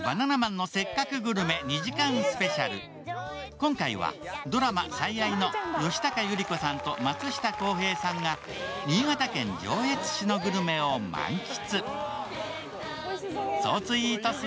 今回はドラマ「最愛」の吉高由里子さんと松下洸平さんが新潟県上越市のグルメを満喫。